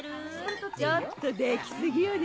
ちょっと出来過ぎよね。